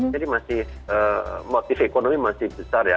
jadi masih motif ekonomi masih besar ya